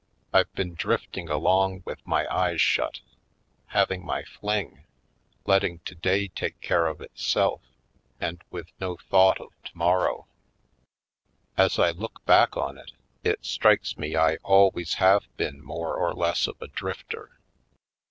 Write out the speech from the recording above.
I've been drifting along with my eyes shut, having my fling, letting today take care of itself and with no thought of tomorrow. As I look back on it, it strikes me I always have been more or less of a drifter.